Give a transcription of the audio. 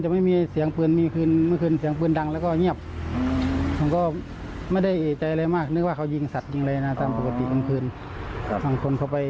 ไม่มีเหตุอะไรที่คิดว่าจะมีคนไป